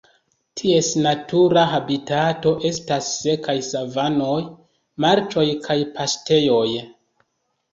Ties natura habitato estas sekaj savanoj, marĉoj kaj paŝtejoj.